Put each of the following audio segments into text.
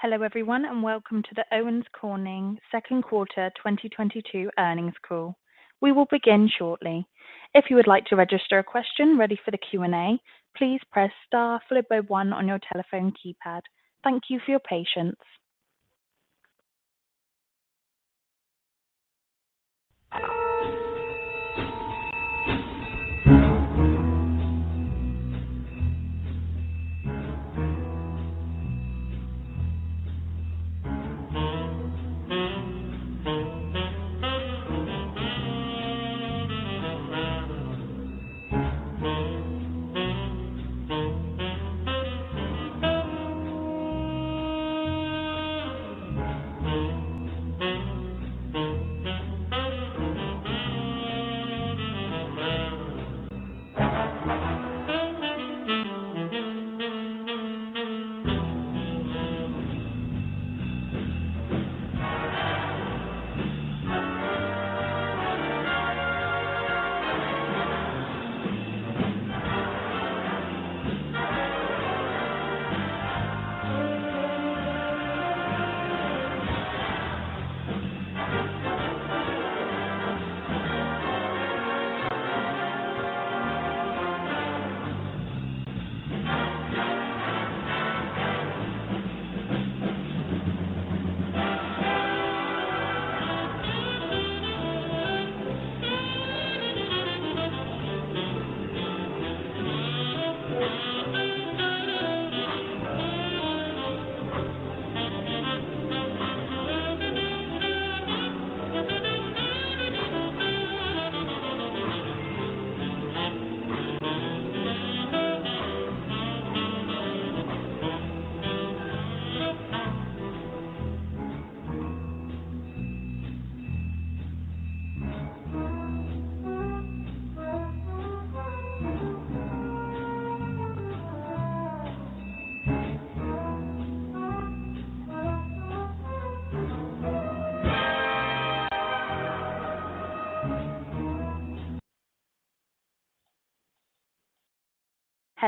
Hello, everyone, and welcome to the Owens Corning second quarter 2022 earnings call. We will begin shortly. If you would like to register a question ready for the Q&A, please press star followed by one on your telephone keypad. Thank you for your patience.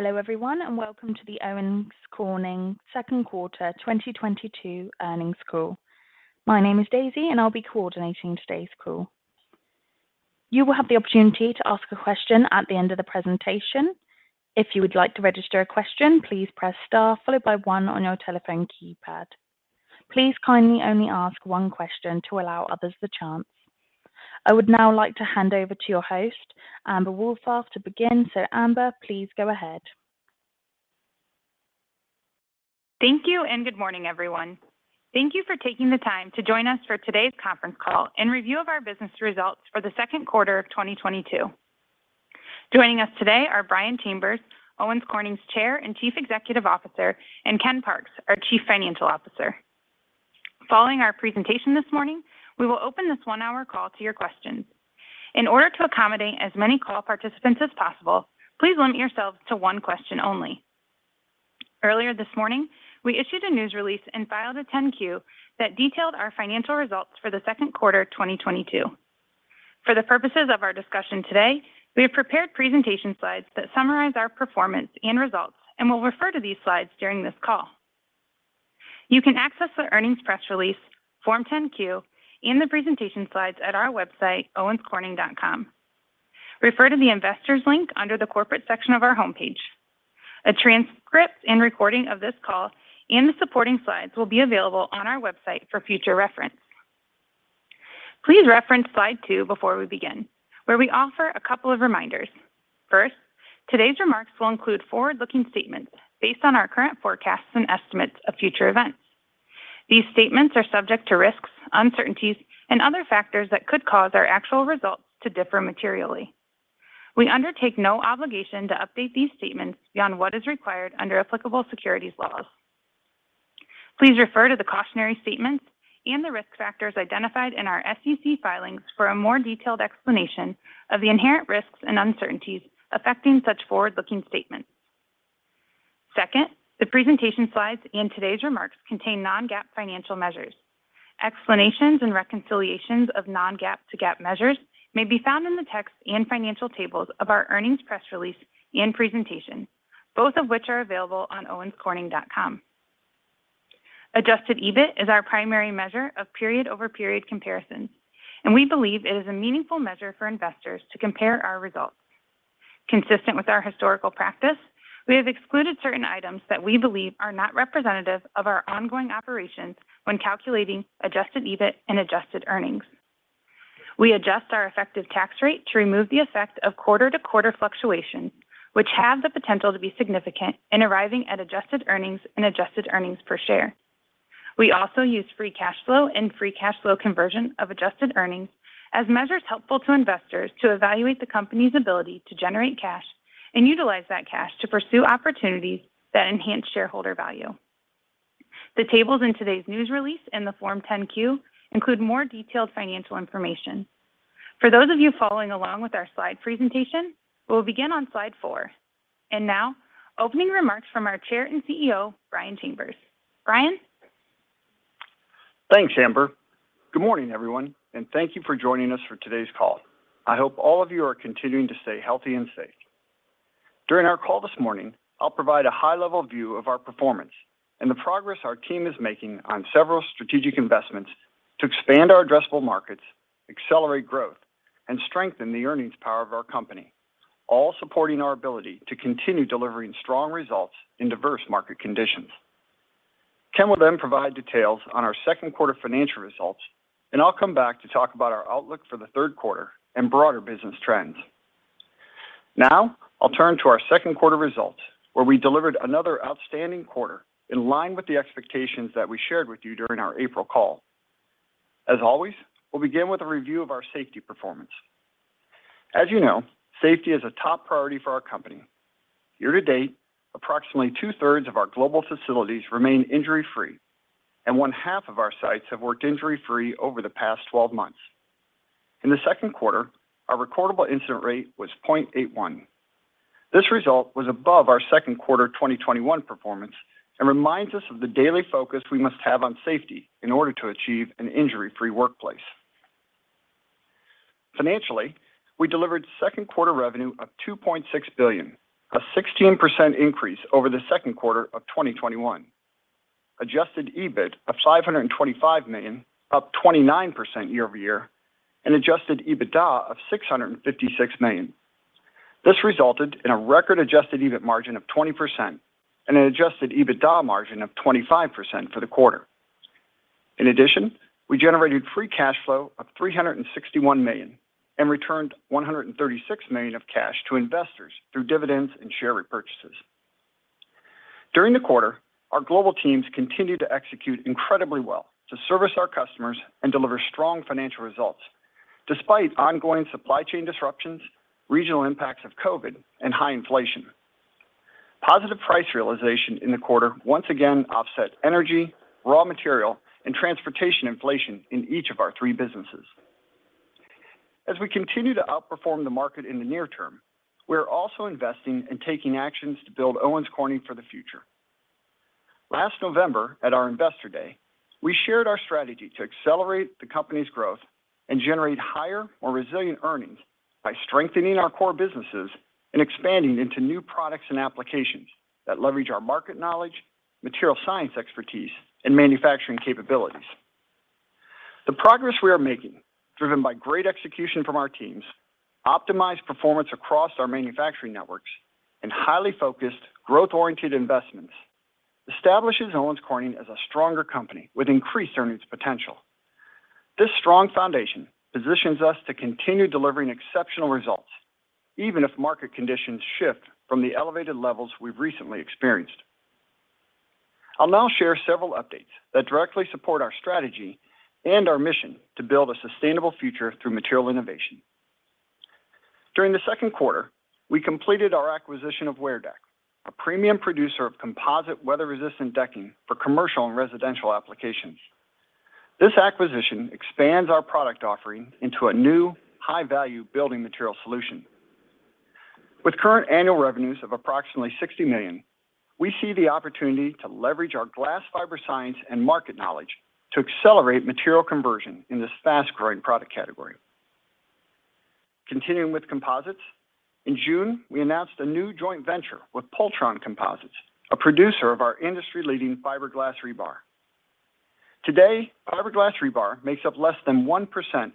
Hello, everyone, and welcome to the Owens Corning second quarter 2022 earnings call. My name is Daisy, and I'll be coordinating today's call. You will have the opportunity to ask a question at the end of the presentation. If you would like to register a question, please press Star followed by one on your telephone keypad. Please kindly only ask one question to allow others the chance. I would now like to hand over to your host, Amber Wohlfarth, to begin. Amber, please go ahead. Thank you and good morning, everyone. Thank you for taking the time to join us for today's conference call and review of our business results for the second quarter of 2022. Joining us today are Brian Chambers, Owens Corning's Chair and Chief Executive Officer, and Kenneth Parks, our Chief Financial Officer. Following our presentation this morning, we will open this one-hour call to your questions. In order to accommodate as many call participants as possible, please limit yourselves to one question only. Earlier this morning, we issued a news release and filed a 10-Q that detailed our financial results for the second quarter 2022. For the purposes of our discussion today, we have prepared presentation slides that summarize our performance and results, and we'll refer to these slides during this call. You can access the earnings press release, Form 10-Q, and the presentation slides at our website, owenscorning.com. Refer to the Investors link under the Corporate section of our homepage. A transcript and recording of this call and the supporting slides will be available on our website for future reference. Please reference slide 2 before we begin, where we offer a couple of reminders. First, today's remarks will include forward-looking statements based on our current forecasts and estimates of future events. These statements are subject to risks, uncertainties, and other factors that could cause our actual results to differ materially. We undertake no obligation to update these statements beyond what is required under applicable securities laws. Please refer to the cautionary statements and the risk factors identified in our SEC filings for a more detailed explanation of the inherent risks and uncertainties affecting such forward-looking statements. Second, the presentation slides and today's remarks contain non-GAAP financial measures. Explanations and reconciliations of non-GAAP to GAAP measures may be found in the text and financial tables of our earnings press release and presentation, both of which are available on owenscorning.com. Adjusted EBIT is our primary measure of period-over-period comparison, and we believe it is a meaningful measure for investors to compare our results. Consistent with our historical practice, we have excluded certain items that we believe are not representative of our ongoing operations when calculating adjusted EBIT and adjusted earnings. We adjust our effective tax rate to remove the effect of quarter-to-quarter fluctuations, which have the potential to be significant in arriving at adjusted earnings and adjusted earnings per share. We also use free cash flow and free cash flow conversion of adjusted earnings as measures helpful to investors to evaluate the company's ability to generate cash and utilize that cash to pursue opportunities that enhance shareholder value. The tables in today's news release and the Form 10-Q include more detailed financial information. For those of you following along with our slide presentation, we'll begin on slide four. Now opening remarks from our Chair and CEO, Brian Chambers. Brian? Thanks, Amber. Good morning, everyone, and thank you for joining us for today's call. I hope all of you are continuing to stay healthy and safe. During our call this morning, I'll provide a high-level view of our performance and the progress our team is making on several strategic investments to expand our addressable markets, accelerate growth, and strengthen the earnings power of our company, all supporting our ability to continue delivering strong results in diverse market conditions. Ken will then provide details on our second quarter financial results, and I'll come back to talk about our outlook for the third quarter and broader business trends. Now, I'll turn to our second quarter results, where we delivered another outstanding quarter in line with the expectations that we shared with you during our April call. As always, we'll begin with a review of our safety performance. As you know, safety is a top priority for our company. Year to date, approximately two-thirds of our global facilities remain injury-free, and one-half of our sites have worked injury-free over the past 12 months. In the second quarter, our recordable incident rate was 0.81. This result was above our second quarter 2021 performance and reminds us of the daily focus we must have on safety in order to achieve an injury-free workplace. Financially, we delivered second quarter revenue of $2.6 billion, a 16% increase over the second quarter of 2021. Adjusted EBIT of $525 million, up 29% year-over-year, and adjusted EBITDA of $656 million. This resulted in a record-adjusted EBIT margin of 20% and an adjusted EBITDA margin of 25% for the quarter. In addition, we generated Free Cash Flow of $361 million and returned $136 million of cash to investors through dividends and share repurchases. During the quarter, our global teams continued to execute incredibly well to service our customers and deliver strong financial results despite ongoing supply chain disruptions, regional impacts of COVID, and high inflation. Positive price realization in the quarter once again offset energy, raw material, and transportation inflation in each of our three businesses. As we continue to outperform the market in the near term, we are also investing and taking actions to build Owens Corning for the future. Last November, at our Investor Day, we shared our strategy to accelerate the company's growth and generate higher or resilient earnings by strengthening our core businesses and expanding into new products and applications that leverage our market knowledge, material science expertise, and manufacturing capabilities. The progress we are making, driven by great execution from our teams, optimized performance across our manufacturing networks, and highly focused, growth-oriented investments, establishes Owens Corning as a stronger company with increased earnings potential. This strong foundation positions us to continue delivering exceptional results, even if market conditions shift from the elevated levels we've recently experienced. I'll now share several updates that directly support our strategy and our mission to build a sustainable future through material innovation. During the second quarter, we completed our acquisition of WearDeck, a premium producer of composite weather-resistant decking for commercial and residential applications. This acquisition expands our product offering into a new high-value building material solution. With current annual revenues of approximately $60 million, we see the opportunity to leverage our glass fiber science and market knowledge to accelerate material conversion in this fast-growing product category. Continuing with composites, in June, we announced a new joint venture with Pultron Composites, a producer of our industry-leading fiberglass rebar. Today, fiberglass rebar makes up less than 1%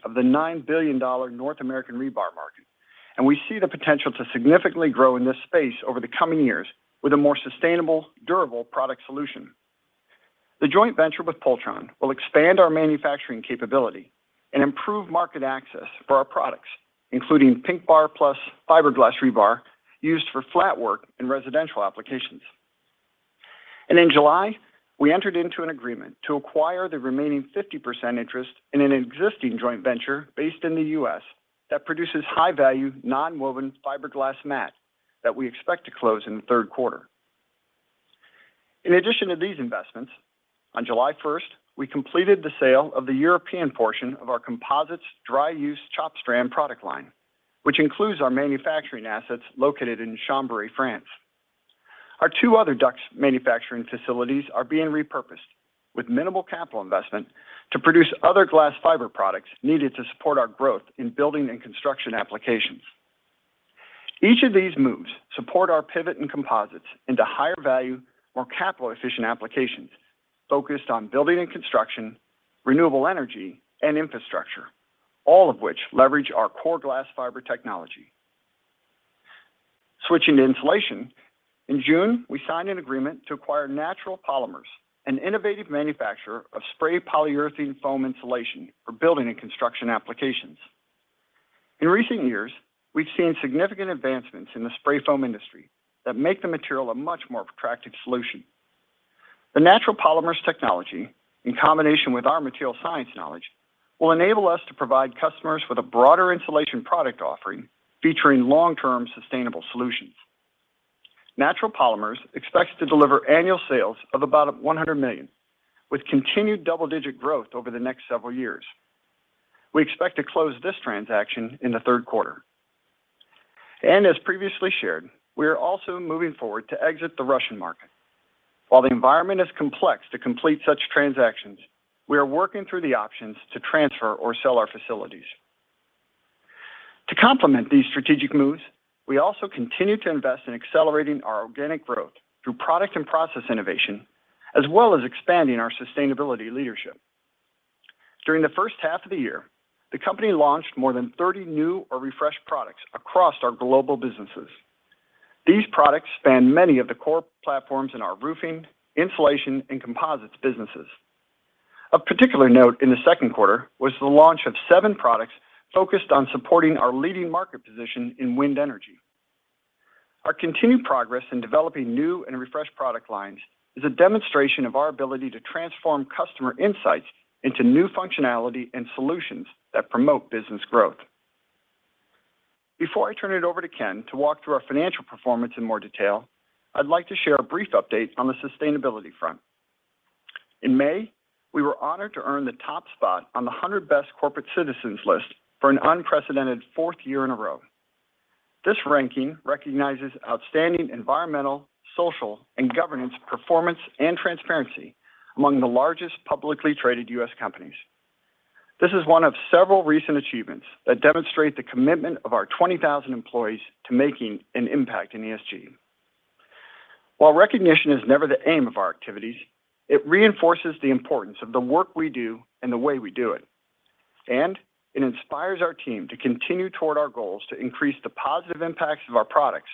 of the $9 billion North American rebar market, and we see the potential to significantly grow in this space over the coming years with a more sustainable, durable product solution. The joint venture with Pultron will expand our manufacturing capability and improve market access for our products, including PINKBAR+ Fiberglas rebar used for flatwork and residential applications. In July, we entered into an agreement to acquire the remaining 50% interest in an existing joint venture based in the U.S. that produces high-value nonwoven fiberglass mat that we expect to close in the third quarter. In addition to these investments, on July first, we completed the sale of the European portion of our composites dry-use chopped strand product line, which includes our manufacturing assets located in Chambéry, France. Our two other DUCS manufacturing facilities are being repurposed with minimal capital investment to produce other glass fiber products needed to support our growth in building and construction applications. Each of these moves support our pivot in composites into higher-value, more capital-efficient applications focused on building and construction, renewable energy, and infrastructure, all of which leverage our core glass fiber technology. Switching to insulation, in June, we signed an agreement to acquire Natural Polymers, an innovative manufacturer of spray polyurethane foam insulation for building and construction applications. In recent years, we've seen significant advancements in the spray foam industry that make the material a much more attractive solution. The Natural Polymers technology, in combination with our material science knowledge, will enable us to provide customers with a broader insulation product offering featuring long-term sustainable solutions. Natural Polymers expects to deliver annual sales of about $100 million with continued double-digit growth over the next several years. We expect to close this transaction in the third quarter. As previously shared, we are also moving forward to exit the Russian market. While the environment is complex to complete such transactions, we are working through the options to transfer or sell our facilities. To complement these strategic moves, we also continue to invest in accelerating our organic growth through product and process innovation, as well as expanding our sustainability leadership. During the first half of the year, the company launched more than 30 new or refreshed products across our global businesses. These products span many of the core platforms in our roofing, insulation, and composites businesses. Of particular note in the second quarter was the launch of seven products focused on supporting our leading market position in wind energy. Our continued progress in developing new and refreshed product lines is a demonstration of our ability to transform customer insights into new functionality and solutions that promote business growth. Before I turn it over to Ken to walk through our financial performance in more detail, I'd like to share a brief update on the sustainability front. In May, we were honored to earn the top spot on the 100 Best Corporate Citizens list for an unprecedented fourth year in a row. This ranking recognizes outstanding environmental, social, and governance performance and transparency among the largest publicly traded U.S. companies. This is one of several recent achievements that demonstrate the commitment of our 20,000 employees to making an impact in ESG. While recognition is never the aim of our activities, it reinforces the importance of the work we do and the way we do it. It inspires our team to continue toward our goals to increase the positive impacts of our products,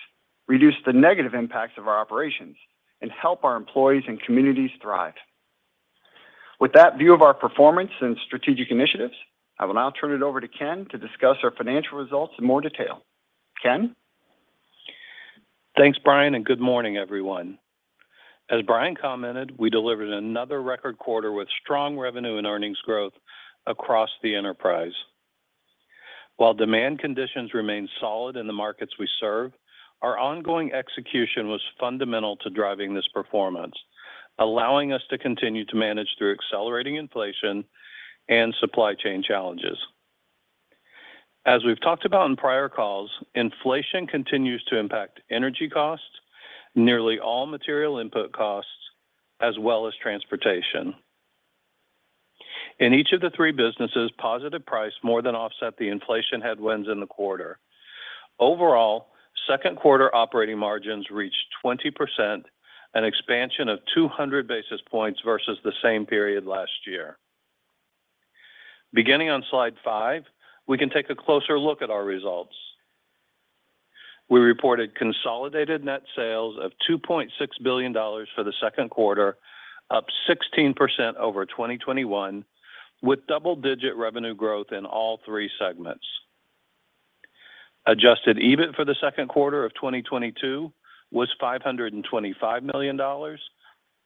reduce the negative impacts of our operations, and help our employees and communities thrive. With that view of our performance and strategic initiatives, I will now turn it over to Ken to discuss our financial results in more detail. Ken? Thanks, Brian, and good morning, everyone. As Brian commented, we delivered another record quarter with strong revenue and earnings growth across the enterprise. While demand conditions remain solid in the markets we serve, our ongoing execution was fundamental to driving this performance, allowing us to continue to manage through accelerating inflation and supply chain challenges. As we've talked about on prior calls, inflation continues to impact energy costs, nearly all material input costs, as well as transportation. In each of the three businesses, positive price more than offset the inflation headwinds in the quarter. Overall, second quarter operating margins reached 20%, an expansion of 200 basis points versus the same period last year. Beginning on slide five, we can take a closer look at our results. We reported consolidated net sales of $2.6 billion for the second quarter, up 16% over 2021, with double-digit revenue growth in all three segments. Adjusted EBIT for the second quarter of 2022 was $525 million,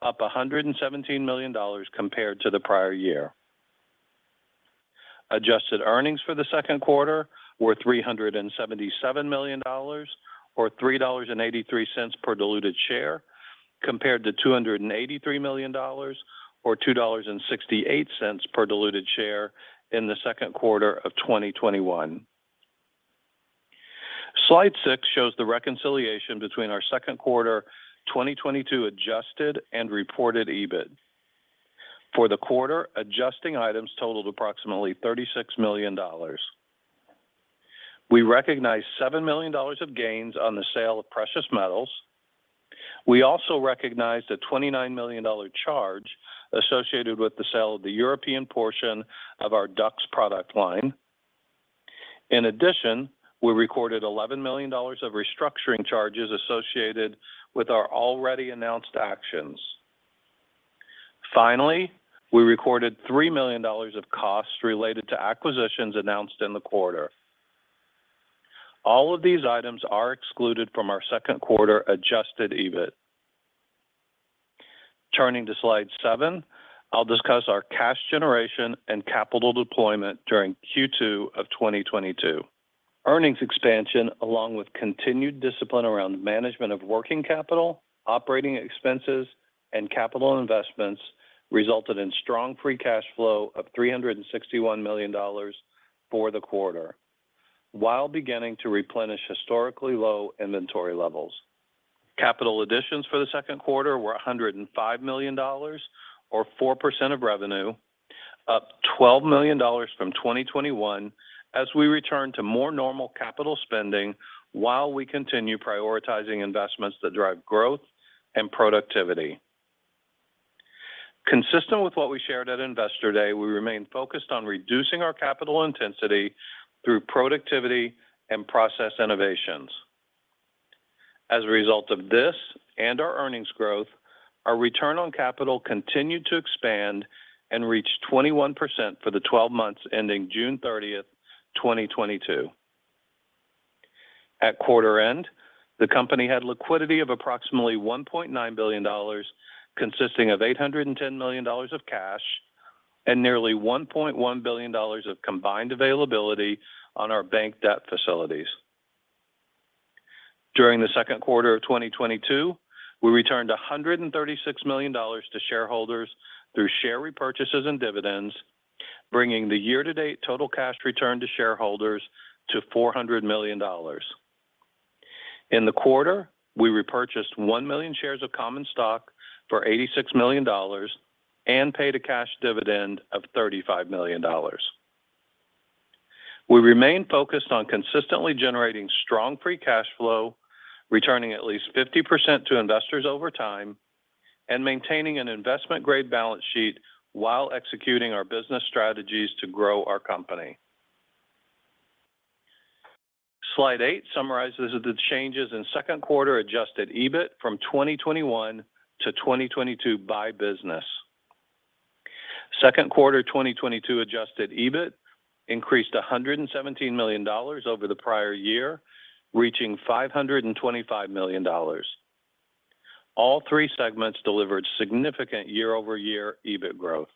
up $117 million compared to the prior year. Adjusted earnings for the second quarter were $377 million or $3.83 per diluted share, compared to $283 million or $2.68 per diluted share in the second quarter of 2021. Slide 6 shows the reconciliation between our second quarter 2022 adjusted and reported EBIT. For the quarter, adjusting items totaled approximately $36 million. We recognized $7 million of gains on the sale of precious metals. We also recognized a $29 million charge associated with the sale of the European portion of our DUCS product line. In addition, we recorded $11 million of restructuring charges associated with our already announced actions. Finally, we recorded $3 million of costs related to acquisitions announced in the quarter. All of these items are excluded from our second quarter Adjusted EBIT. Turning to slide seven, I'll discuss our cash generation and capital deployment during Q2 of 2022. Earnings expansion, along with continued discipline around management of working capital, operating expenses, and capital investments, resulted in strong Free Cash Flow of $361 million for the quarter while beginning to replenish historically low inventory levels. Capital additions for the second quarter were $105 million or 4% of revenue, up $12 million from 2021 as we return to more normal capital spending while we continue prioritizing investments that drive growth and productivity. Consistent with what we shared at Investor Day, we remain focused on reducing our capital intensity through productivity and process innovations. As a result of this and our earnings growth, our return on capital continued to expand and reached 21% for the twelve months ending June 30, 2022. At quarter end, the company had liquidity of approximately $1.9 billion, consisting of $810 million of cash and nearly $1.1 billion of combined availability on our bank debt facilities. During the second quarter of 2022, we returned $136 million to shareholders through share repurchases and dividends, bringing the year-to-date total cash return to shareholders to $400 million. In the quarter, we repurchased 1 million shares of common stock for $86 million and paid a cash dividend of $35 million. We remain focused on consistently generating strong Free Cash Flow, returning at least 50% to investors over time, and maintaining an investment-grade balance sheet while executing our business strategies to grow our company. Slide 8 summarizes the changes in second quarter Adjusted EBIT from 2021 to 2022 by business. Second quarter 2022 Adjusted EBIT increased $117 million over the prior year, reaching $525 million. All three segments delivered significant year-over-year EBIT growth.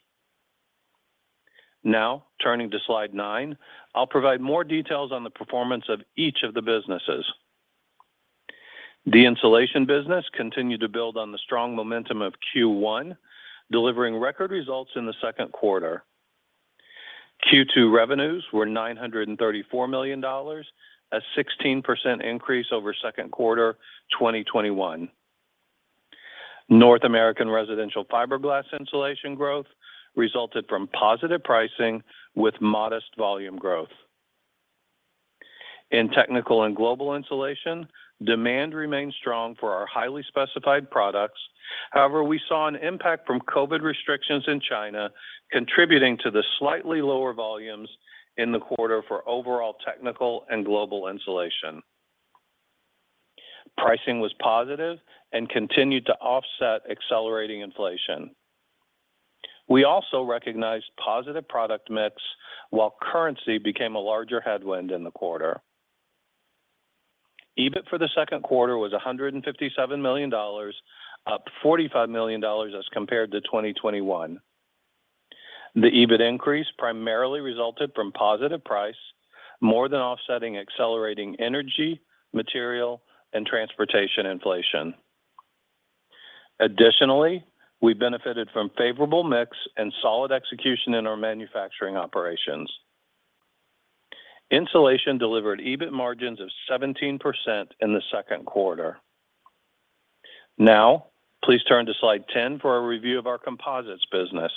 Now, turning to slide nine, I'll provide more details on the performance of each of the businesses. The Insulation business continued to build on the strong momentum of Q1, delivering record results in the second quarter. Q2 revenues were $934 million, a 16% increase over second quarter 2021. North American Residential fiberglass insulation growth resulted from positive pricing with modest volume growth. In Technical & Global Insulation, demand remained strong for our highly specified products. However, we saw an impact from COVID restrictions in China, contributing to the slightly lower volumes in the quarter for overall Technical & Global Insulation. Pricing was positive and continued to offset accelerating inflation. We also recognized positive product mix while currency became a larger headwind in the quarter. EBIT for the second quarter was $157 million, up $45 million as compared to 2021. The EBIT increase primarily resulted from positive price more than offsetting accelerating energy, material, and transportation inflation. Additionally, we benefited from favorable mix and solid execution in our manufacturing operations. Insulation delivered EBIT margins of 17% in the second quarter. Now, please turn to slide 10 for a review of our Composites business.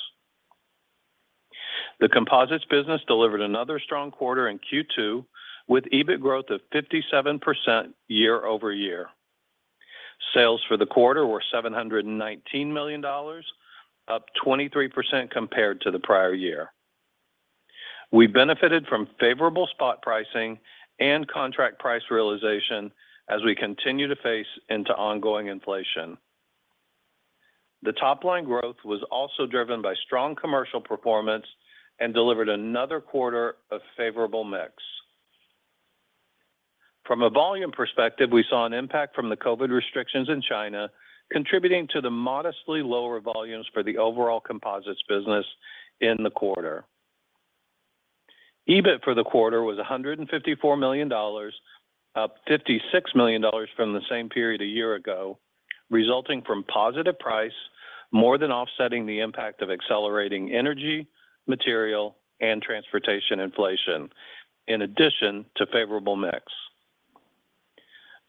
The Composites business delivered another strong quarter in Q2 with EBIT growth of 57% year-over-year. Sales for the quarter were $719 million, up 23% compared to the prior year. We benefited from favorable spot pricing and contract price realization as we continue to face into ongoing inflation. The top line growth was also driven by strong commercial performance and delivered another quarter of favorable mix. From a volume perspective, we saw an impact from the COVID restrictions in China, contributing to the modestly lower volumes for the overall Composites business in the quarter. EBIT for the quarter was $154 million, up $56 million from the same period a year ago, resulting from positive price more than offsetting the impact of accelerating energy, material, and transportation inflation, in addition to favorable mix.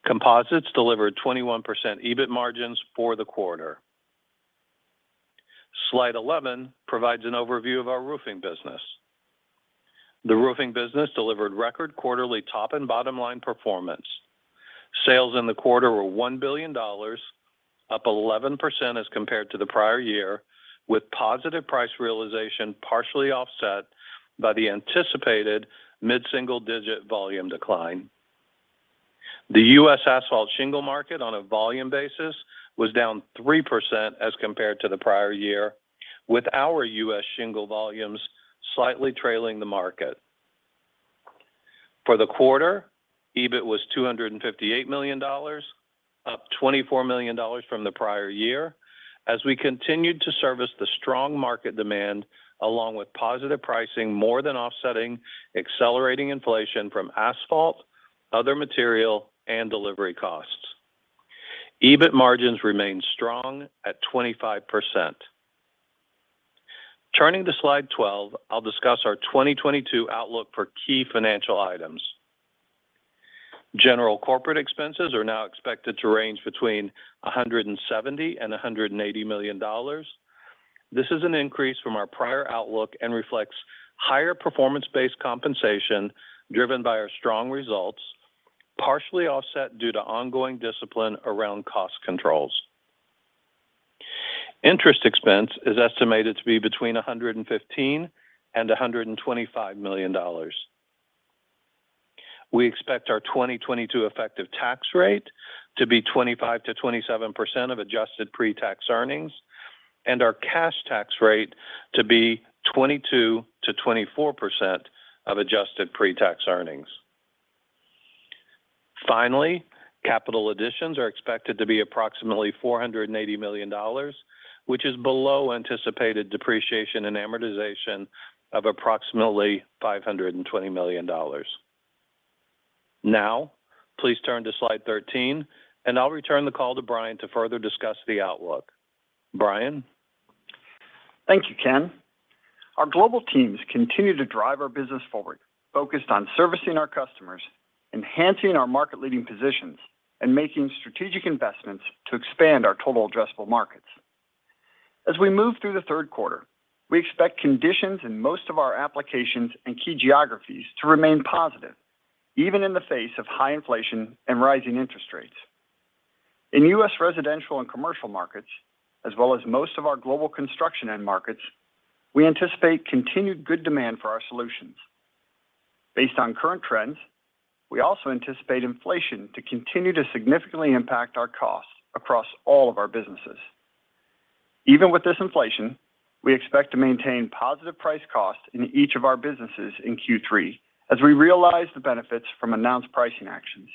Composites delivered 21% EBIT margins for the quarter. Slide 11 provides an overview of our Roofing business. The Roofing business delivered record quarterly top and bottom line performance. Sales in the quarter were $1 billion, up 11% as compared to the prior year, with positive price realization partially offset by the anticipated mid-single-digit volume decline. The U.S. asphalt shingle market on a volume basis was down 3% as compared to the prior year, with our U.S. shingle volumes slightly trailing the market. For the quarter, EBIT was $258 million, up $24 million from the prior year, as we continued to service the strong market demand along with positive pricing more than offsetting accelerating inflation from asphalt, other material, and delivery costs. EBIT margins remained strong at 25%. Turning to slide 12, I'll discuss our 2022 outlook for key financial items. General corporate expenses are now expected to range between $170 million and $180 million. This is an increase from our prior outlook and reflects higher performance-based compensation driven by our strong results, partially offset due to ongoing discipline around cost controls. Interest expense is estimated to be between $115 million and $125 million. We expect our 2022 effective tax rate to be 25%-27% of adjusted pre-tax earnings and our cash tax rate to be 22%-24% of adjusted pre-tax earnings. Finally, capital additions are expected to be approximately $480 million, which is below anticipated depreciation and amortization of approximately $520 million. Now, please turn to slide 13, and I'll return the call to Brian to further discuss the outlook. Brian? Thank you, Ken. Our global teams continue to drive our business forward, focused on servicing our customers, enhancing our market-leading positions, and making strategic investments to expand our total addressable markets. As we move through the third quarter, we expect conditions in most of our applications and key geographies to remain positive, even in the face of high inflation and rising interest rates. In U.S. residential and commercial markets, as well as most of our global construction end markets, we anticipate continued good demand for our solutions. Based on current trends, we also anticipate inflation to continue to significantly impact our costs across all of our businesses. Even with this inflation, we expect to maintain positive price cost in each of our businesses in Q3 as we realize the benefits from announced pricing actions.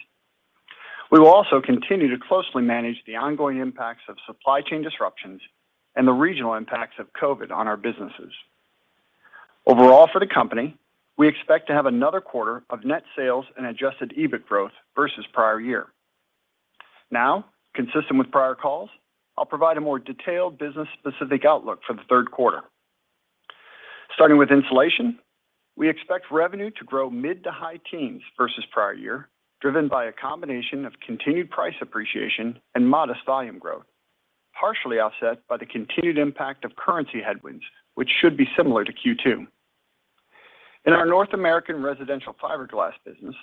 We will also continue to closely manage the ongoing impacts of supply chain disruptions and the regional impacts of COVID on our businesses. Overall for the company, we expect to have another quarter of net sales and Adjusted EBIT growth versus prior year. Now, consistent with prior calls, I'll provide a more detailed business specific outlook for the third quarter. Starting with insulation, we expect revenue to grow mid- to high-teens% versus prior year, driven by a combination of continued price appreciation and modest volume growth, partially offset by the continued impact of currency headwinds, which should be similar to Q2. In our North American residential fiberglass business,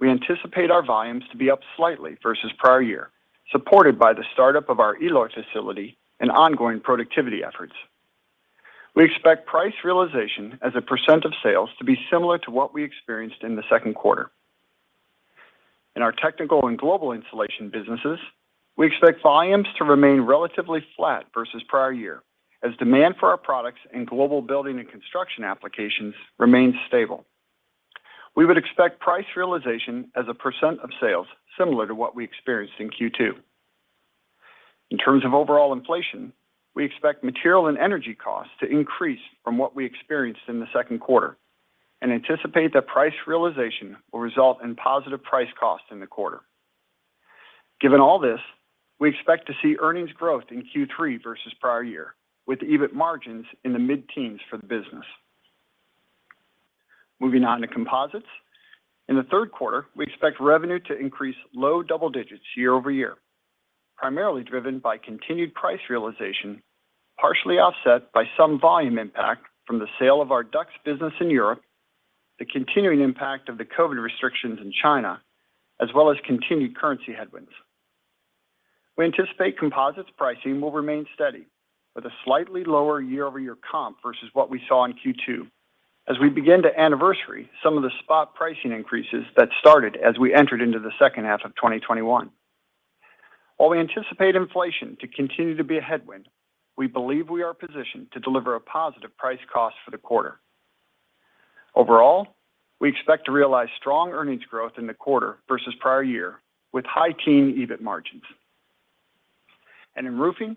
we anticipate our volumes to be up slightly versus prior year, supported by the startup of our Eloy facility and ongoing productivity efforts. We expect price realization as a percentage of sales to be similar to what we experienced in the second quarter. In our Technical & Global Insulation businesses, we expect volumes to remain relatively flat versus prior year as demand for our products in global building and construction applications remains stable. We would expect price realization as a percentage of sales similar to what we experienced in Q2. In terms of overall inflation, we expect material and energy costs to increase from what we experienced in the second quarter and anticipate that price realization will result in positive price costs in the quarter. Given all this, we expect to see earnings growth in Q3 versus prior year, with EBIT margins in the mid-teens for the business. Moving on to composites. In the third quarter, we expect revenue to increase low double digits year-over-year, primarily driven by continued price realization, partially offset by some volume impact from the sale of our DUCS business in Europe, the continuing impact of the COVID restrictions in China, as well as continued currency headwinds. We anticipate composites pricing will remain steady with a slightly lower year-over-year comp versus what we saw in Q2 as we begin to anniversary some of the spot pricing increases that started as we entered into the second half of 2021. While we anticipate inflation to continue to be a headwind, we believe we are positioned to deliver a positive price-cost for the quarter. Overall, we expect to realize strong earnings growth in the quarter versus prior year with high-teens EBIT margins. In roofing,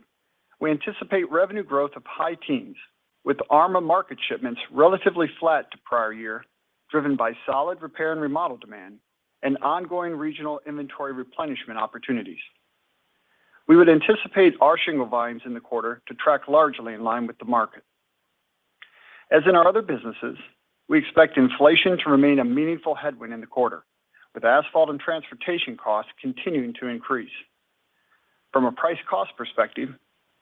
we anticipate revenue growth of high teens with ARMA market shipments relatively flat to prior year, driven by solid repair and remodel demand and ongoing regional inventory replenishment opportunities. We would anticipate our shingle volumes in the quarter to track largely in line with the market. As in our other businesses, we expect inflation to remain a meaningful headwind in the quarter, with asphalt and transportation costs continuing to increase. From a price cost perspective,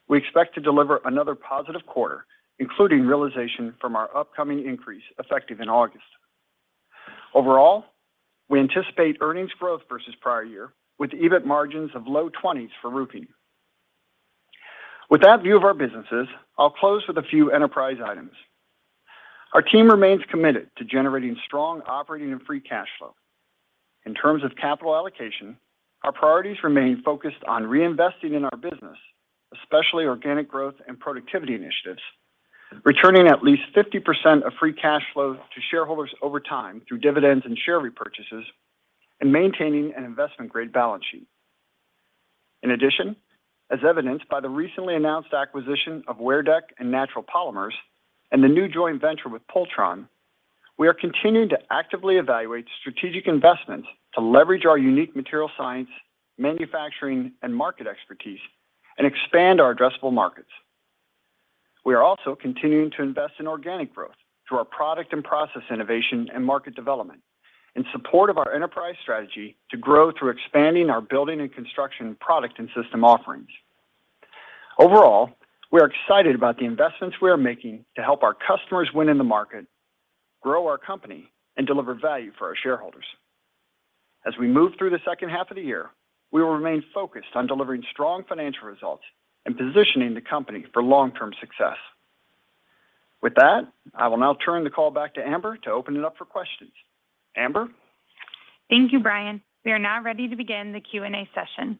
we expect to deliver another positive quarter, including realization from our upcoming increase effective in August. Overall, we anticipate earnings growth versus prior year with EBIT margins of low 20s for roofing. With that view of our businesses, I'll close with a few enterprise items. Our team remains committed to generating strong operating and free cash flow. In terms of capital allocation, our priorities remain focused on reinvesting in our business, especially organic growth and productivity initiatives, returning at least 50% of free cash flow to shareholders over time through dividends and share repurchases, and maintaining an investment-grade balance sheet. In addition, as evidenced by the recently announced acquisition of WearDeck and Natural Polymers and the new joint venture with Pultron Composites, we are continuing to actively evaluate strategic investments to leverage our unique material science, manufacturing, and market expertise and expand our addressable markets. We are also continuing to invest in organic growth through our product and process innovation and market development in support of our enterprise strategy to grow through expanding our building and construction product and system offerings. Overall, we are excited about the investments we are making to help our customers win in the market, grow our company, and deliver value for our shareholders. As we move through the second half of the year, we will remain focused on delivering strong financial results and positioning the company for long-term success. With that, I will now turn the call back to Amber to open it up for questions. Amber? Thank you, Brian. We are now ready to begin the Q&A session.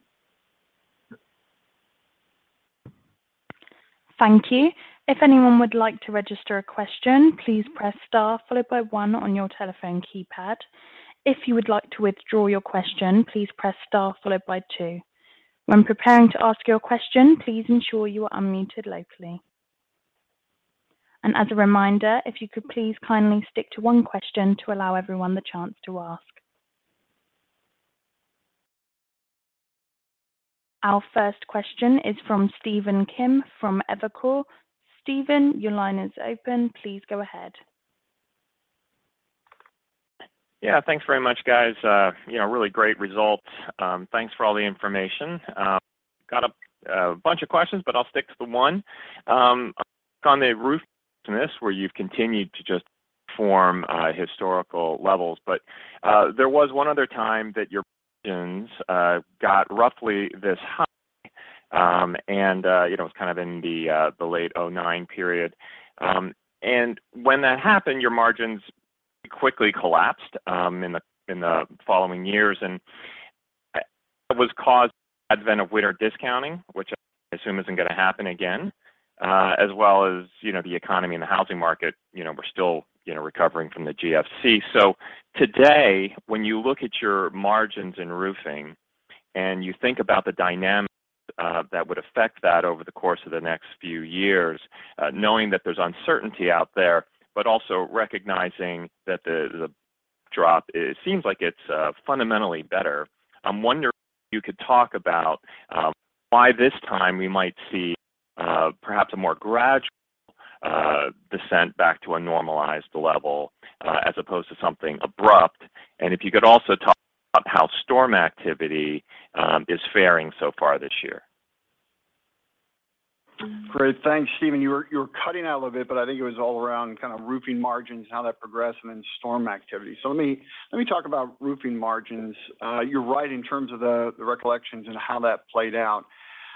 Thank you. If anyone would like to register a question, please press star followed by one on your telephone keypad. If you would like to withdraw your question, please press star followed by two. When preparing to ask your question, please ensure you are unmuted locally. As a reminder, if you could please kindly stick to one question to allow everyone the chance to ask. Our first question is from Stephen Kim from Evercore. Stephen, your line is open. Please go ahead. Yeah, thanks very much, guys. You know, really great results. Thanks for all the information. Got a bunch of questions, but I'll stick to the one. On the roof business, where you've continued to outperform historical levels. There was one other time that your margins got roughly this high, and you know, it was kind of in the late 2009 period. When that happened, your margins quickly collapsed in the following years. That was caused the advent of winter discounting, which I assume isn't gonna happen again, as well as you know, the economy and the housing market. You know, we're still you know, recovering from the GFC. Today, when you look at your margins in roofing and you think about the dynamics that would affect that over the course of the next few years, knowing that there's uncertainty out there, but also recognizing that the drop, it seems like it's fundamentally better. I'm wondering if you could talk about why this time we might see perhaps a more gradual descent back to a normalized level as opposed to something abrupt. If you could also talk about how storm activity is faring so far this year. Great. Thanks, Stephen. You were cutting out a little bit, but I think it was all around kind of roofing margins and how that progressed and then storm activity. Let me talk about roofing margins. You're right in terms of the recollections and how that played out.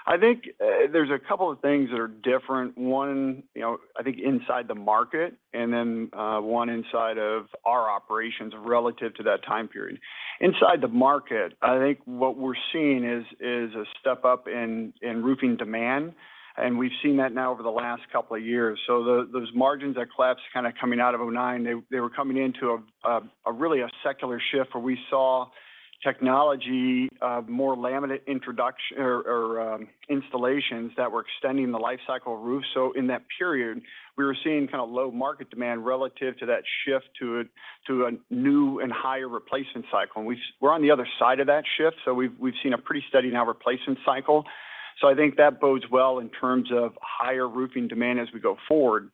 I think there's a couple of things that are different. One, you know, I think inside the market and then one inside of our operations relative to that time period. Inside the market, I think what we're seeing is a step up in roofing demand, and we've seen that now over the last couple of years. Those margins that collapsed kind of coming out of 2009, they were coming into a really secular shift where we saw technology more laminate introduction or installations that were extending the lifecycle of roofs. In that period, we were seeing kinda low market demand relative to that shift to a new and higher replacement cycle. We're on the other side of that shift, so we've seen a pretty steady now replacement cycle. I think that bodes well in terms of higher roofing demand as we go forward.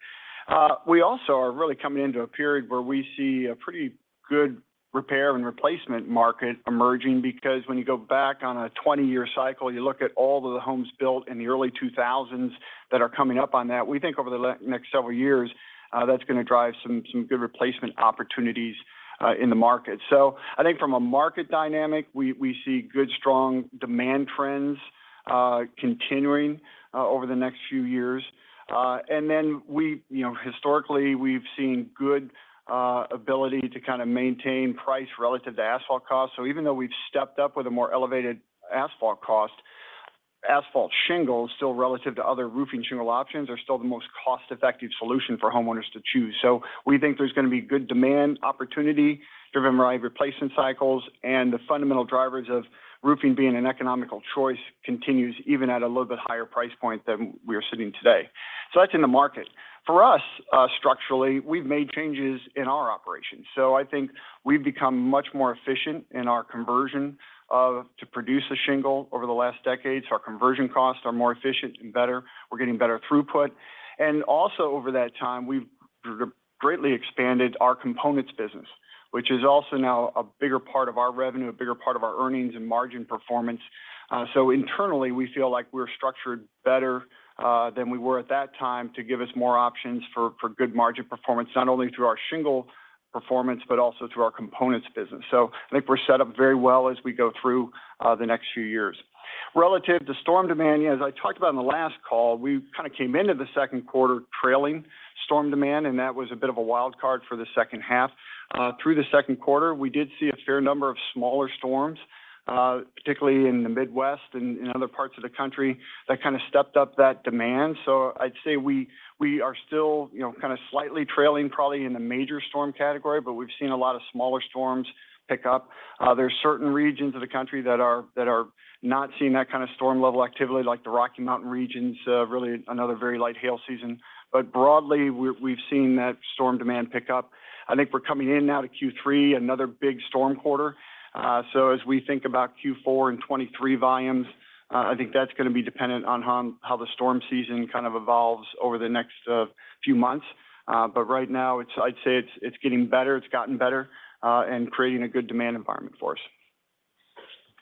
We also are really coming into a period where we see a pretty good repair and replacement market emerging because when you go back on a 20-year cycle, you look at all of the homes built in the early 2000s that are coming up on that. We think over the next several years, that's gonna drive some good replacement opportunities in the market. I think from a market dynamic, we see good, strong demand trends continuing over the next few years. You know, historically, we've seen good ability to kinda maintain price relative to asphalt costs. Even though we've stepped up with a more elevated asphalt cost, asphalt shingles still relative to other roofing shingle options are still the most cost-effective solution for homeowners to choose. We think there's gonna be good demand opportunity driven by replacement cycles, and the fundamental drivers of roofing being an economical choice continues even at a little bit higher price point than we are sitting today. That's in the market. For us, structurally, we've made changes in our operations. I think we've become much more efficient in our conversion costs to produce a shingle over the last decade. Our conversion costs are more efficient and better. We're getting better throughput. Also over that time, we've greatly expanded our components business, which is also now a bigger part of our revenue, a bigger part of our earnings and margin performance. Internally, we feel like we're structured better than we were at that time to give us more options for good margin performance, not only through our shingle performance, but also through our components business. I think we're set up very well as we go through the next few years. Relative to storm demand, yeah, as I talked about in the last call, we kinda came into the second quarter trailing storm demand, and that was a bit of a wild card for the second half. Through the second quarter, we did see a fair number of smaller storms, particularly in the Midwest and in other parts of the country that kinda stepped up that demand. I'd say we are still, you know, kinda slightly trailing probably in the major storm category, but we've seen a lot of smaller storms pick up. There's certain regions of the country that are not seeing that kinda storm level activity, like the Rocky Mountain regions, really another very light hail season. Broadly, we've seen that storm demand pick up. I think we're coming in now to Q3, another big storm quarter. As we think about Q4 and 2023 volumes, I think that's gonna be dependent on how the storm season kind of evolves over the next few months. Right now, I'd say it's getting better. It's gotten better and creating a good demand environment for us.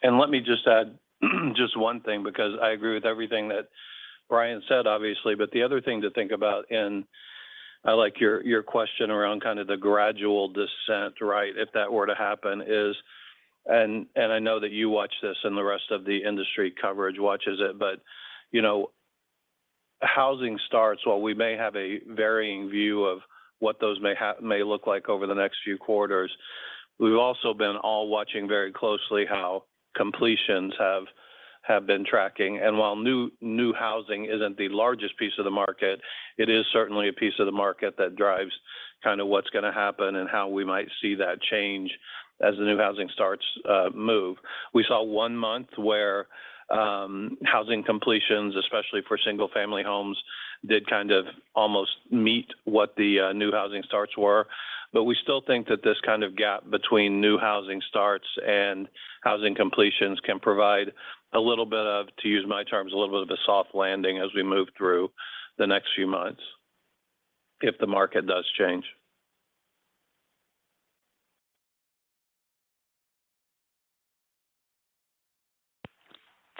Let me just add just one thing because I agree with everything that Brian said, obviously. The other thing to think about, and I like your question around kinda the gradual descent, right, if that were to happen, is, and I know that you watch this and the rest of the industry coverage watches it, but, you know, housing starts, while we may have a varying view of what those may look like over the next few quarters, we've also been all watching very closely how completions have been tracking. While new housing isn't the largest piece of the market, it is certainly a piece of the market that drives kinda what's gonna happen and how we might see that change as the new housing starts move. We saw one month where housing completions, especially for single-family homes, did kind of almost meet what the new housing starts were. We still think that this kind of gap between new housing starts and housing completions can provide a little bit of, to use my terms, a little bit of a soft landing as we move through the next few months, if the market does change.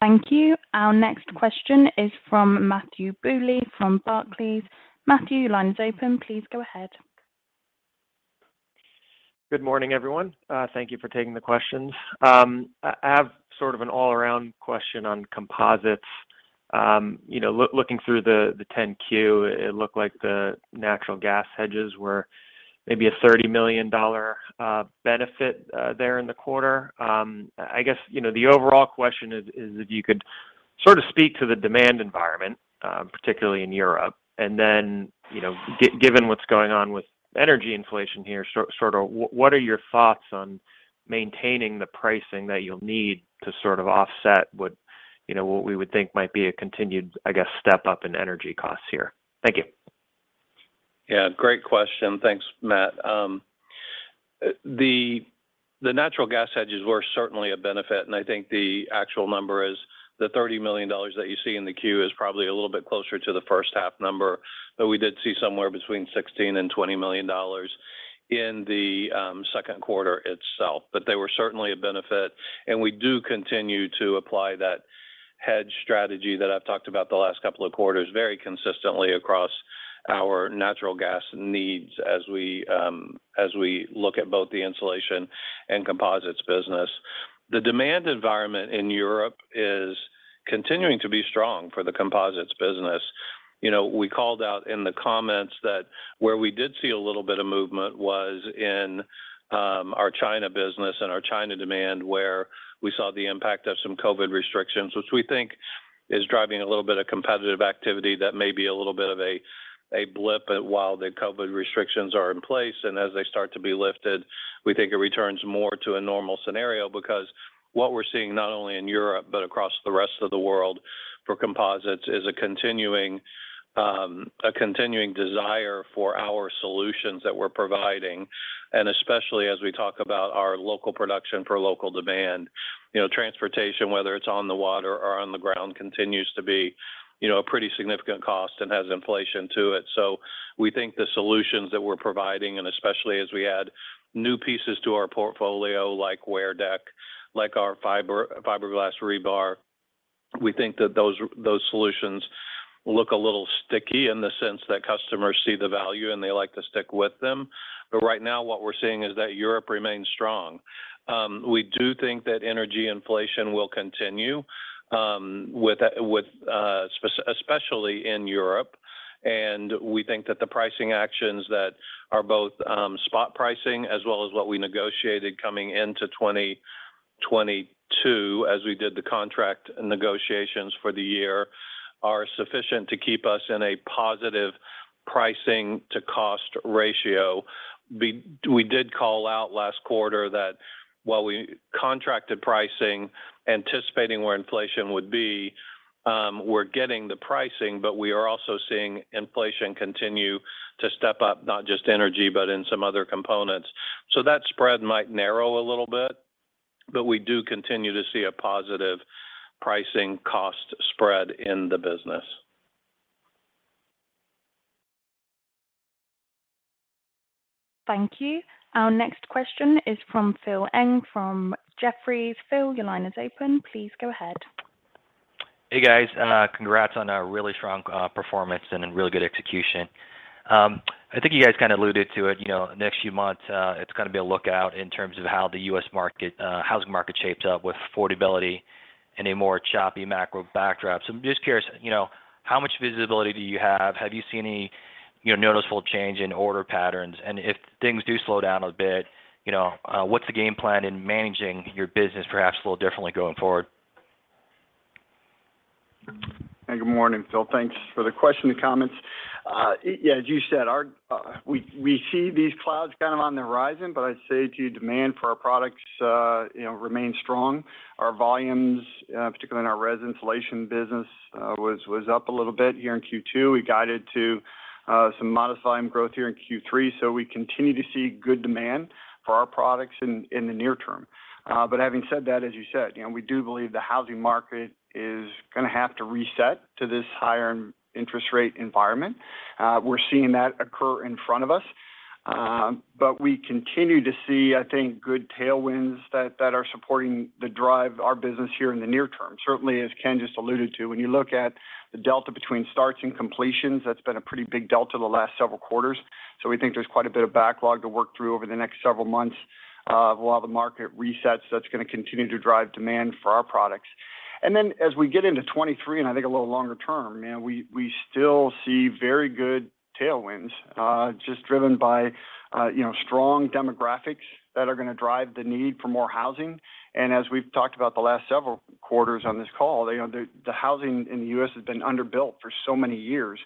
Thank you. Our next question is from Matthew Bouley from Barclays. Matthew, your line is open. Please go ahead. Good morning, everyone. Thank you for taking the questions. I have sort of an all-around question on composites. You know, looking through the 10-Q, it looked like the natural gas hedges were maybe a $30 million benefit there in the quarter. I guess, you know, the overall question is if you could sort of speak to the demand environment, particularly in Europe. Then, you know, given what's going on with energy inflation here, sort of what are your thoughts on maintaining the pricing that you'll need to sort of offset what we would think might be a continued step up in energy costs here? Thank you. Yeah, great question. Thanks, Matt. The natural gas hedges were certainly a benefit, and I think the actual number is the $30 million that you see in the 10-Q is probably a little bit closer to the first half number. We did see somewhere between $16 million and $20 million in the second quarter itself. They were certainly a benefit, and we do continue to apply that hedge strategy that I've talked about the last couple of quarters very consistently across our natural gas needs as we look at both the insulation and composites business. The demand environment in Europe is continuing to be strong for the composites business. You know, we called out in the comments that where we did see a little bit of movement was in our China business and our China demand, where we saw the impact of some COVID restrictions, which we think is driving a little bit of competitive activity that may be a little bit of a blip while the COVID restrictions are in place. As they start to be lifted, we think it returns more to a normal scenario because what we're seeing, not only in Europe, but across the rest of the world for composites is a continuing desire for our solutions that we're providing, and especially as we talk about our local production for local demand. You know, transportation, whether it's on the water or on the ground, continues to be a pretty significant cost and has inflation to it. We think the solutions that we're providing, and especially as we add new pieces to our portfolio, like WearDeck, like our fiberglass rebar, we think that those solutions look a little sticky in the sense that customers see the value, and they like to stick with them. But right now, what we're seeing is that Europe remains strong. We do think that energy inflation will continue, especially in Europe. We think that the pricing actions that are both spot pricing as well as what we negotiated coming into 2022 as we did the contract negotiations for the year are sufficient to keep us in a positive pricing-to-cost ratio. We did call out last quarter that while we contracted pricing anticipating where inflation would be, we're getting the pricing, but we are also seeing inflation continue to step up, not just energy, but in some other components. That spread might narrow a little bit, but we do continue to see a positive pricing cost spread in the business. Thank you. Our next question is from Philip Ng from Jefferies. Phil, your line is open. Please go ahead. Hey, guys. Congrats on a really strong performance and real good execution. I think you guys kinda alluded to it, you know, next few months, it's gonna be a lot to look out for in terms of how the U.S. market, housing market shapes up with affordability and a more choppy macro backdrop. I'm just curious, you know, how much visibility do you have? Have you seen any, you know, noticeable change in order patterns? And if things do slow down a bit, you know, what's the game plan in managing your business perhaps a little differently going forward? Hey, good morning, Phil. Thanks for the question and comments. Yeah, as you said, we see these clouds kind of on the horizon, but I'd say to you demand for our products, you know, remain strong. Our volumes, particularly in our res insulation business, was up a little bit here in Q2. We guided to some modest volume growth here in Q3, so we continue to see good demand for our products in the near term. But having said that, as you said, you know, we do believe the housing market is gonna have to reset to this higher interest rate environment. We're seeing that occur in front of us. But we continue to see, I think, good tailwinds that are supporting the drive our business here in the near term. Certainly, as Ken just alluded to, when you look at the delta between starts and completions, that's been a pretty big delta the last several quarters. We think there's quite a bit of backlog to work through over the next several months. While the market resets, that's gonna continue to drive demand for our products. Then as we get into 2023, and I think a little longer term, you know, we still see very good tailwinds, just driven by, you know, strong demographics that are gonna drive the need for more housing. As we've talked about the last several quarters on this call, you know, the housing in the U.S. has been underbuilt for so many years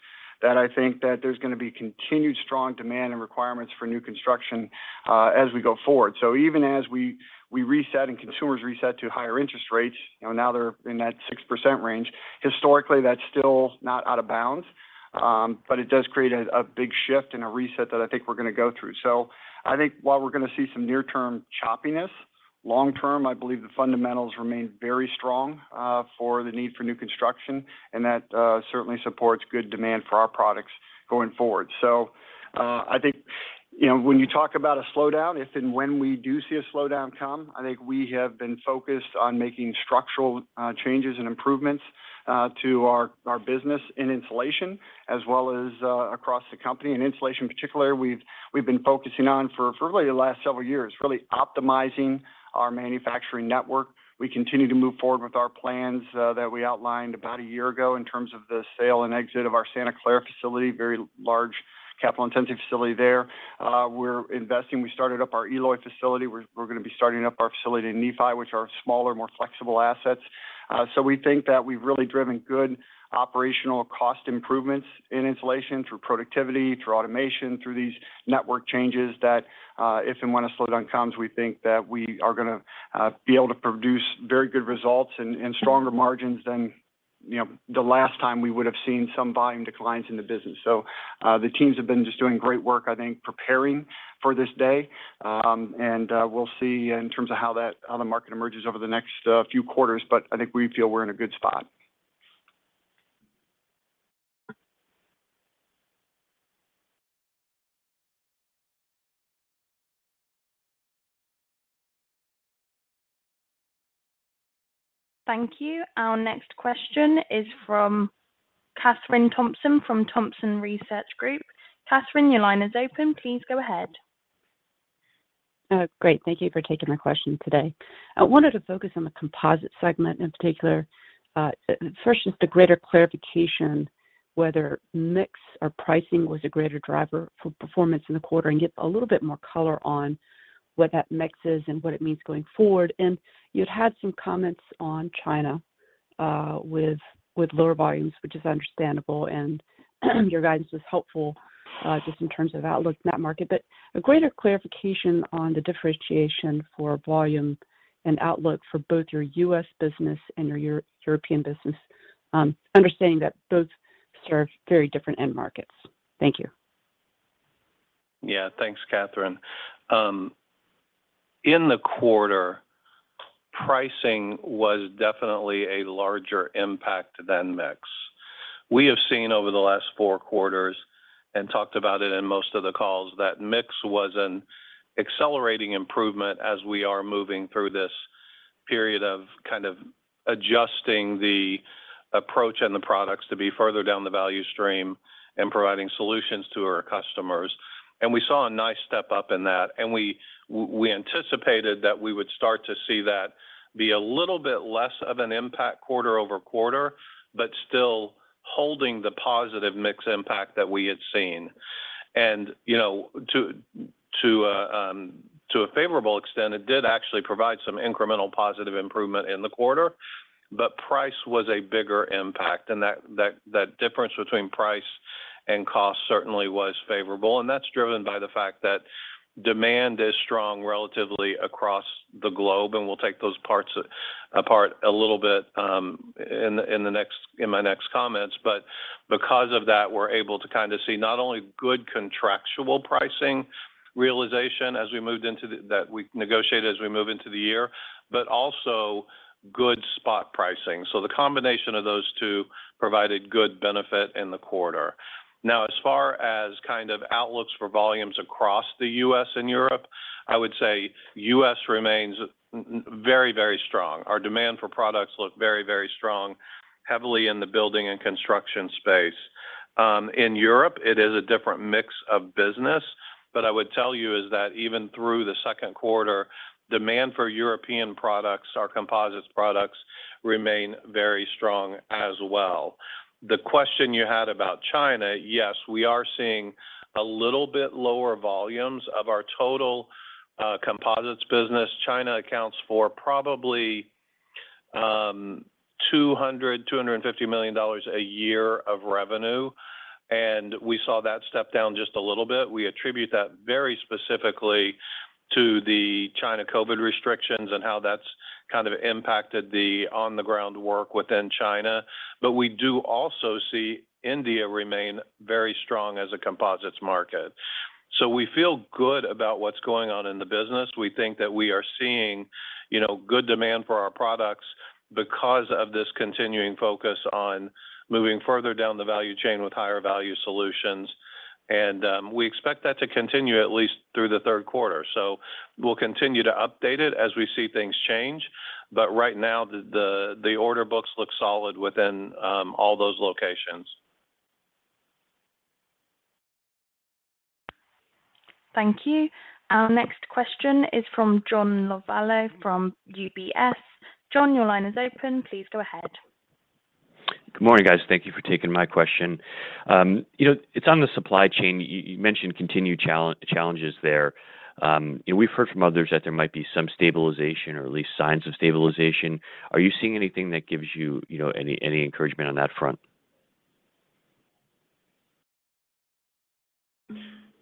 that I think that there's gonna be continued strong demand and requirements for new construction, as we go forward. Even as we reset and consumers reset to higher interest rates, you know, now they're in that 6% range. Historically, that's still not out of bounds, but it does create a big shift and a reset that I think we're gonna go through. I think while we're gonna see some near-term choppiness. Long term, I believe the fundamentals remain very strong for the need for new construction, and that certainly supports good demand for our products going forward. I think, you know, when you talk about a slowdown, if and when we do see a slowdown come, I think we have been focused on making structural changes and improvements to our business in insulation as well as across the company. In insulation, in particular, we've been focusing on for really the last several years, really optimizing our manufacturing network. We continue to move forward with our plans that we outlined about a year ago in terms of the sale and exit of our Santa Clara facility, very large capital-intensive facility there. We're investing. We started up our Eloy facility. We're gonna be starting up our facility in Nephi, which are smaller, more flexible assets. So we think that we've really driven good operational cost improvements in insulation through productivity, through automation, through these network changes that if and when a slowdown comes, we think that we are gonna be able to produce very good results and stronger margins than, you know, the last time we would have seen some volume declines in the business. The teams have been just doing great work, I think, preparing for this day. We'll see in terms of how the market emerges over the next few quarters, but I think we feel we're in a good spot. Thank you. Our next question is from Kathryn Thompson from Thompson Research Group. Kathryn, your line is open. Please go ahead. Great. Thank you for taking my question today. I wanted to focus on the composite segment in particular. First, just a greater clarification whether mix or pricing was a greater driver for performance in the quarter, and get a little bit more color on what that mix is and what it means going forward. You'd had some comments on China, with lower volumes, which is understandable, and your guidance was helpful, just in terms of outlook in that market. A greater clarification on the differentiation for volume and outlook for both your U.S. business and your European business, understanding that those serve very different end markets. Thank you. Yeah. Thanks, Kathryn. In the quarter, pricing was definitely a larger impact than mix. We have seen over the last four quarters, and talked about it in most of the calls, that mix was an accelerating improvement as we are moving through this period of kind of adjusting the approach and the products to be further down the value stream and providing solutions to our customers. We saw a nice step-up in that. We anticipated that we would start to see that be a little bit less of an impact quarter over quarter, but still holding the positive mix impact that we had seen. You know, to a favorable extent, it did actually provide some incremental positive improvement in the quarter, but price was a bigger impact. That difference between price and cost certainly was favorable, and that's driven by the fact that demand is strong relatively across the globe, and we'll take those parts apart a little bit in my next comments. Because of that, we're able to kind of see not only good contractual pricing realization that we negotiated as we move into the year, but also good spot pricing. The combination of those two provided good benefit in the quarter. Now, as far as kind of outlooks for volumes across the U.S. and Europe, I would say U.S. remains very, very strong. Our demand for products look very, very strong, heavily in the building and construction space. In Europe, it is a different mix of business, but I would tell you is that even through the second quarter, demand for European products, our composites products remain very strong as well. The question you had about China, yes, we are seeing a little bit lower volumes. Of our total, composites business, China accounts for probably $200 million-$250 million a year of revenue, and we saw that step down just a little bit. We attribute that very specifically to the China COVID restrictions and how that's kind of impacted the on-the-ground work within China. We do also see India remain very strong as a composites market. We feel good about what's going on in the business. We think that we are seeing, you know, good demand for our products because of this continuing focus on moving further down the value chain with higher value solutions. We expect that to continue at least through the third quarter. We'll continue to update it as we see things change. Right now, the order books look solid within all those locations. Thank you. Our next question is from John Lovallo from UBS. John, your line is open. Please go ahead. Good morning, guys. Thank you for taking my question. You know, it's on the supply chain. You mentioned continued challenges there. You know, we've heard from others that there might be some stabilization or at least signs of stabilization. Are you seeing anything that gives you you know any encouragement on that front?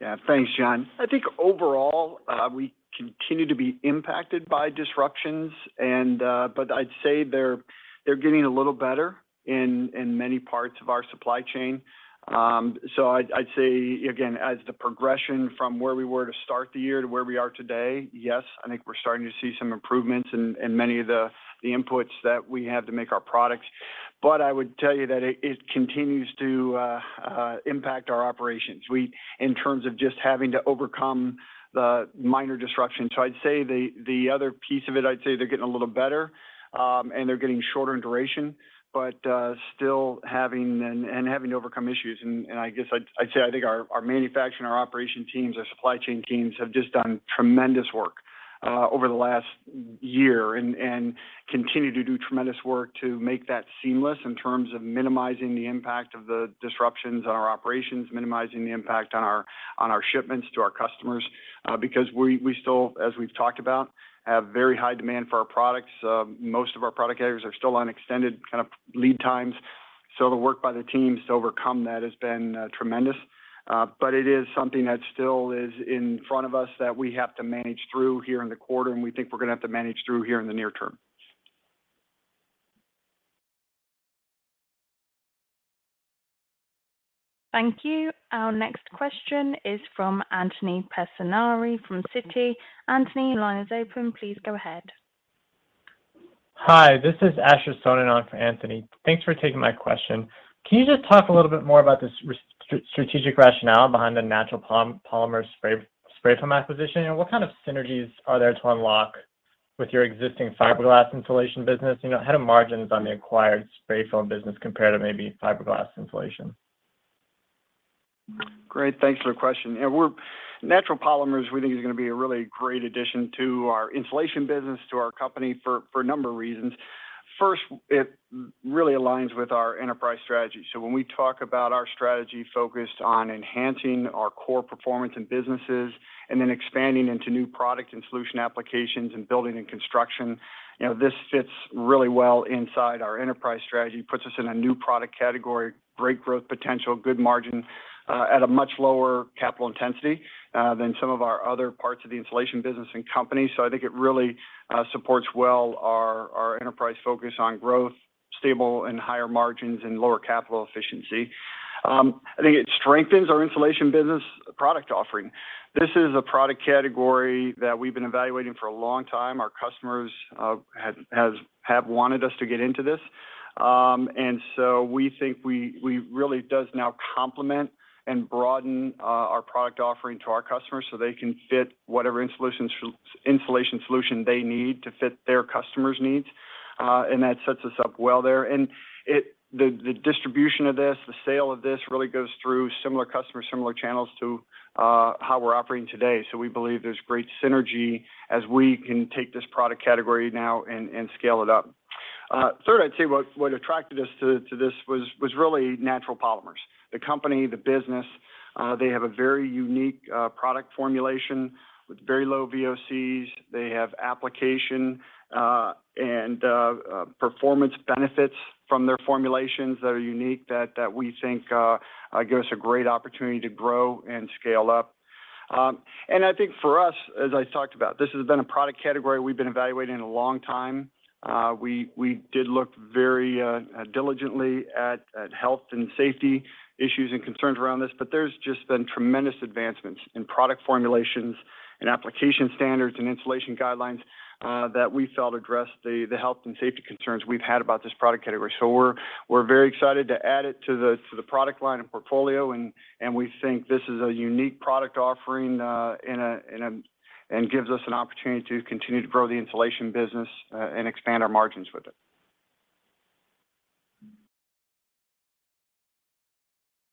Yeah. Thanks, John. I think overall, we continue to be impacted by disruptions and, but I'd say they're getting a little better in many parts of our supply chain. So I'd say, again, as the progression from where we were to start the year to where we are today, yes, I think we're starting to see some improvements in many of the inputs that we have to make our products. I would tell you that it continues to impact our operations. In terms of just having to overcome the minor disruption. I'd say the other piece of it. I'd say they're getting a little better, and they're getting shorter in duration, but still having to overcome issues. I guess I'd say I think our manufacturing, our operation teams, our supply chain teams have just done tremendous work over the last year and continue to do tremendous work to make that seamless in terms of minimizing the impact of the disruptions on our operations, minimizing the impact on our shipments to our customers, because we still, as we've talked about, have very high demand for our products. Most of our product areas are still on extended kind of lead times, so the work by the teams to overcome that has been tremendous. It is something that still is in front of us that we have to manage through here in the quarter, and we think we're gonna have to manage through here in the near term. Thank you. Our next question is from Anthony Pettinari from Citi. Anthony, your line is open. Please go ahead. Hi, this is Asher Sohnen for Anthony Pettinari. Thanks for taking my question. Can you just talk a little bit more about the strategic rationale behind the Natural Polymers spray foam acquisition? And what kind of synergies are there to unlock with your existing fiberglass insulation business? You know, how do margins on the acquired spray foam business compare to maybe fiberglass insulation? Great. Thanks for the question. Yeah, Natural Polymers we think is gonna be a really great addition to our insulation business, to our company for a number of reasons. First, it really aligns with our enterprise strategy. When we talk about our strategy focused on enhancing our core performance and businesses and then expanding into new product and solution applications and building and construction, you know, this fits really well inside our enterprise strategy. Puts us in a new product category, great growth potential, good margin, at a much lower capital intensity, than some of our other parts of the insulation business and company. I think it really supports well our enterprise focus on growth, stable and higher margins and lower capital efficiency. I think it strengthens our insulation business product offering. This is a product category that we've been evaluating for a long time. Our customers have wanted us to get into this. We think it really does now complement and broaden our product offering to our customers so they can fit whatever insulation solution they need to fit their customers' needs. That sets us up well there. The distribution of this, the sale of this really goes through similar customers, similar channels to how we're operating today. We believe there's great synergy as we can take this product category now and scale it up. Third, I'd say what attracted us to this was really Natural Polymers. The company, the business, they have a very unique product formulation with very low VOCs. They have application and performance benefits from their formulations that are unique that we think gives us a great opportunity to grow and scale up. I think for us, as I talked about, this has been a product category we've been evaluating a long time. We did look very diligently at health and safety issues and concerns around this, but there's just been tremendous advancements in product formulations and application standards and insulation guidelines that we felt addressed the health and safety concerns we've had about this product category. We're very excited to add it to the product line and portfolio, and we think this is a unique product offering and gives us an opportunity to continue to grow the insulation business and expand our margins with it.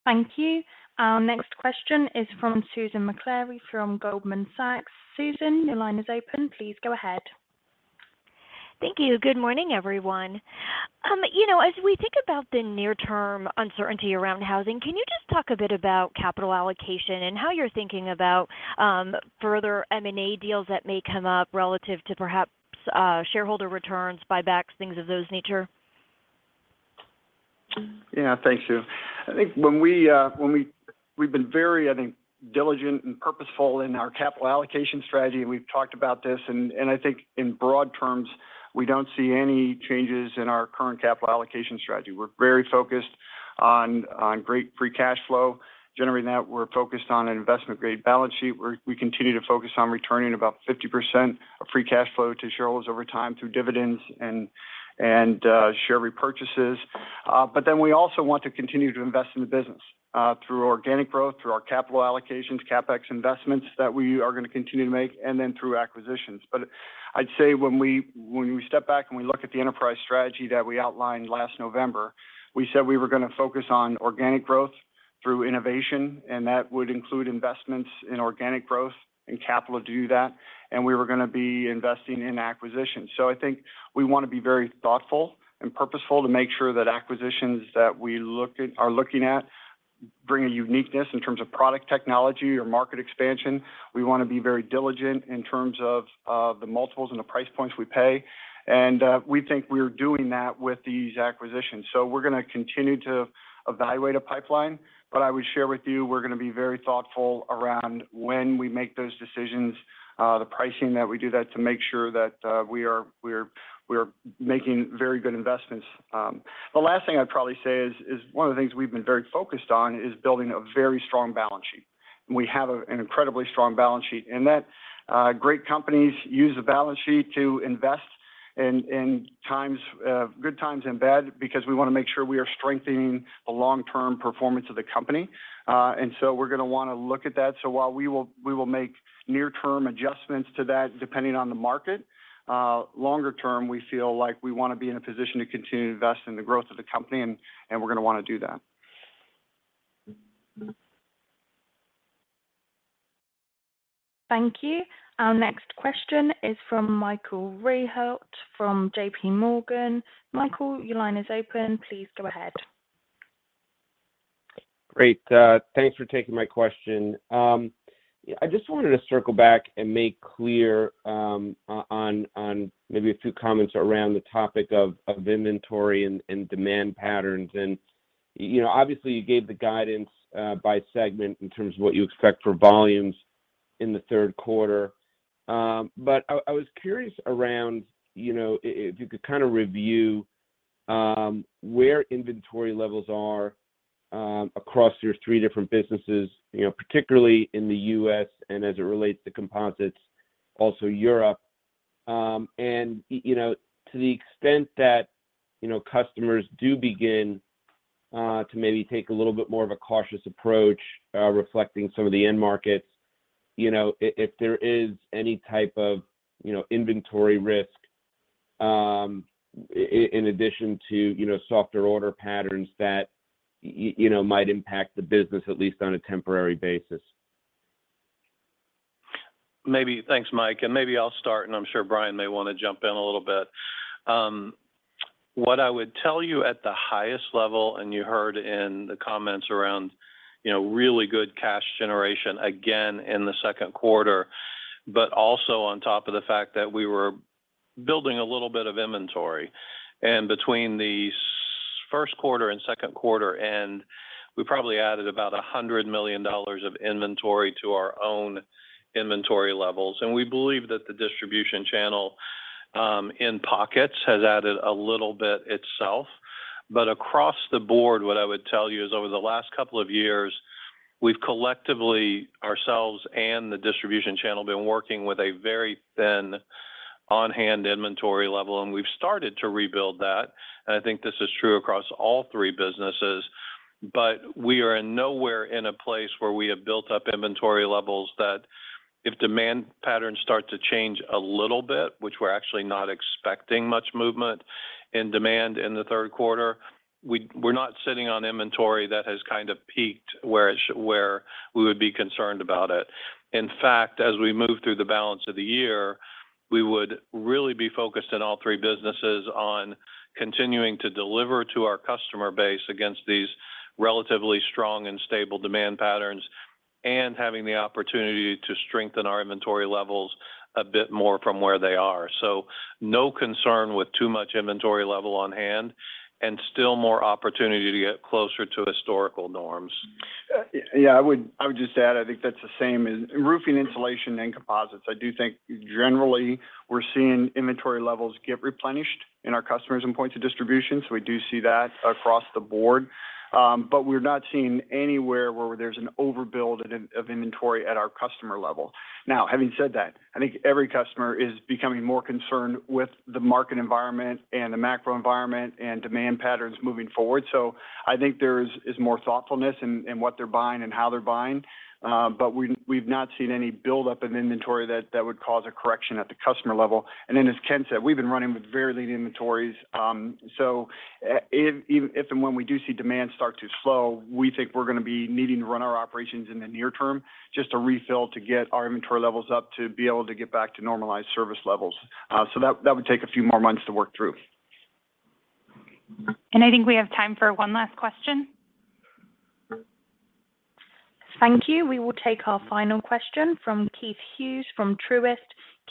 Thank you. Our next question is from Susan Maklari from Goldman Sachs. Susan, your line is open. Please go ahead. Thank you. Good morning, everyone. You know, as we think about the near term uncertainty around housing, can you just talk a bit about capital allocation and how you're thinking about further M&A deals that may come up relative to perhaps shareholder returns, buybacks, things of that nature? Yeah. Thanks, Sue. I think we've been very, I think, diligent and purposeful in our capital allocation strategy, and we've talked about this. I think in broad terms, we don't see any changes in our current capital allocation strategy. We're very focused on great Free Cash Flow, generating that. We're focused on an investment-grade balance sheet. We continue to focus on returning about 50% of Free Cash Flow to shareholders over time through dividends and share repurchases. But then we also want to continue to invest in the business through organic growth, through our capital allocations, CapEx investments that we are gonna continue to make, and then through acquisitions. I'd say when we step back and we look at the enterprise strategy that we outlined last November, we said we were gonna focus on organic growth through innovation, and that would include investments in organic growth and capital to do that, and we were gonna be investing in acquisitions. I think we wanna be very thoughtful and purposeful to make sure that acquisitions that we are looking at bring a uniqueness in terms of product technology or market expansion. We wanna be very diligent in terms of the multiples and the price points we pay. We think we're doing that with these acquisitions. We're gonna continue to evaluate a pipeline, but I would share with you we're gonna be very thoughtful around when we make those decisions, the pricing that we do that to make sure that we're making very good investments. The last thing I'd probably say is one of the things we've been very focused on is building a very strong balance sheet. We have an incredibly strong balance sheet, and that great companies use the balance sheet to invest in good times and bad, because we wanna make sure we are strengthening the long-term performance of the company. We're gonna wanna look at that. While we will make near-term adjustments to that depending on the market, longer term, we feel like we wanna be in a position to continue to invest in the growth of the company, and we're gonna wanna do that. Thank you. Our next question is from Michael Rehaut from JPMorgan. Michael, your line is open. Please go ahead. Great. Thanks for taking my question. I just wanted to circle back and make clear, on maybe a few comments around the topic of inventory and demand patterns. You know, obviously you gave the guidance by segment in terms of what you expect for volumes in the third quarter. But I was curious around, you know, if you could kinda review where inventory levels are across your three different businesses, you know, particularly in the U.S., and as it relates to composites, also Europe. You know, to the extent that, you know, customers do begin to maybe take a little bit more of a cautious approach, reflecting some of the end markets, you know, if there is any type of, you know, inventory risk, in addition to, you know, softer order patterns that you know, might impact the business at least on a temporary basis. Thanks, Mike. Maybe I'll start, and I'm sure Brian may wanna jump in a little bit. What I would tell you at the highest level, and you heard in the comments around, you know, really good cash generation again in the second quarter, but also on top of the fact that we were building a little bit of inventory. Between the first quarter and second quarter end, we probably added about $100 million of inventory to our own inventory levels. We believe that the distribution channel, in pockets, has added a little bit itself. Across the board, what I would tell you is over the last couple of years, we've collectively, ourselves and the distribution channel, been working with a very thin on-hand inventory level, and we've started to rebuild that. I think this is true across all three businesses. We are nowhere near a place where we have built up inventory levels that if demand patterns start to change a little bit, which we're actually not expecting much movement in demand in the third quarter, we're not sitting on inventory that has kind of peaked where we would be concerned about it. In fact, as we move through the balance of the year, we would really be focused in all three businesses on continuing to deliver to our customer base against these relatively strong and stable demand patterns and having the opportunity to strengthen our inventory levels a bit more from where they are. No concern with too much inventory level on hand, and still more opportunity to get closer to historical norms. Yeah, I would just add, I think that's the same in Roofing, Insulation, and Composites. I do think generally we're seeing inventory levels get replenished in our customers and points of distribution, so we do see that across the board. But we're not seeing anywhere where there's an overbuild of inventory at our customer level. Now, having said that, I think every customer is becoming more concerned with the market environment and the macro environment and demand patterns moving forward. I think there's more thoughtfulness in what they're buying and how they're buying, but we've not seen any buildup in inventory that would cause a correction at the customer level. Then as Ken said, we've been running with very lean inventories. Even if and when we do see demand start to slow, we think we're gonna be needing to run our operations in the near term just to refill to get our inventory levels up to be able to get back to normalized service levels. That would take a few more months to work through. I think we have time for one last question. Thank you. We will take our final question from Keith Hughes from Truist.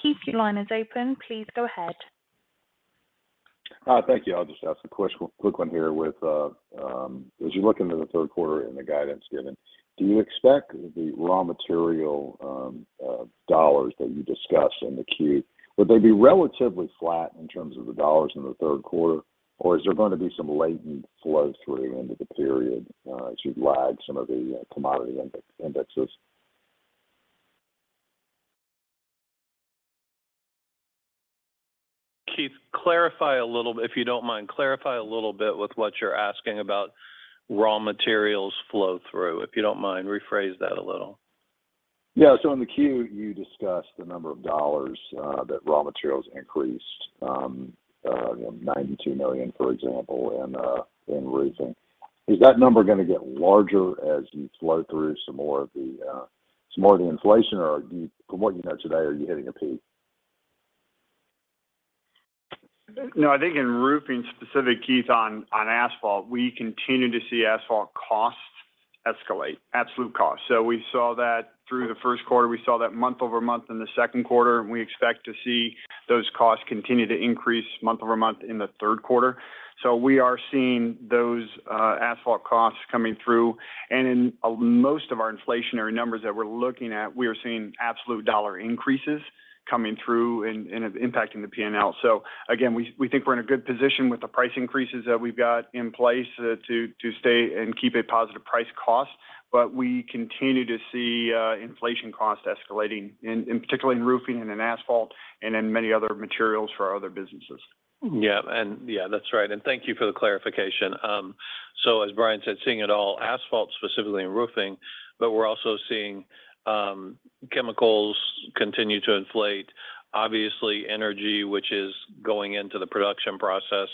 Keith, your line is open. Please go ahead. Thank you. I'll just ask a quick one here with, as you look into the third quarter and the guidance given, do you expect the raw material dollars that you discussed in the Q, would they be relatively flat in terms of the dollars in the third quarter? Or is there gonna be some latent flow through into the period, as you've lagged some of the commodity index, indexes? Keith, clarify a little. If you don't mind, clarify a little bit with what you're asking about raw materials flow through. If you don't mind, rephrase that a little. Yeah. In the 10-Q, you discussed the number of dollars that raw materials increased $92 million, for example, in roofing. Is that number gonna get larger as you flow through some more of the inflation, or from what you know today, are you hitting a peak? No, I think in Roofing specific, Keith, on asphalt, we continue to see asphalt costs escalate, absolute costs. We saw that through the first quarter. We saw that month-over-month in the second quarter, and we expect to see those costs continue to increase month-over-month in the third quarter. We are seeing those asphalt costs coming through. In most of our inflationary numbers that we're looking at, we are seeing absolute dollar increases coming through and impacting the P&L. Again, we think we're in a good position with the price increases that we've got in place to stay and keep a positive price cost. We continue to see inflation cost escalating in particularly in Roofing and in Asphalt and in many other materials for our other businesses. Yeah. Yeah, that's right. Thank you for the clarification. As Brian said, seeing it all, asphalt specifically and roofing, but we're also seeing chemicals continue to inflate. Obviously energy, which is going into the production process,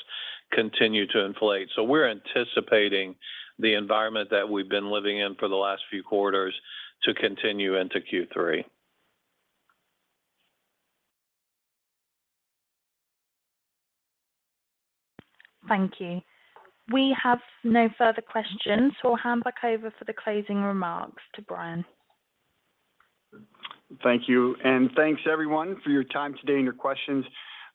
continue to inflate. We're anticipating the environment that we've been living in for the last few quarters to continue into Q3. Thank you. We have no further questions, so I'll hand back over for the closing remarks to Brian. Thank you. Thanks everyone for your time today and your questions.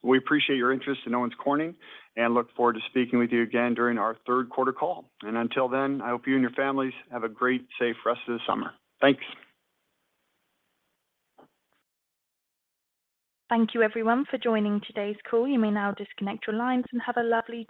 We appreciate your interest in Owens Corning and look forward to speaking with you again during our third quarter call. Until then, I hope you and your families have a great, safe rest of the summer. Thanks. Thank you everyone for joining today's call. You may now disconnect your lines and have a lovely day.